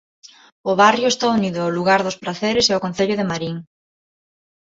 O barrio está unido ao lugar dos Praceres e ao concello de Marín.